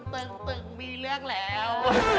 ตึงมีเรื่องแล้ว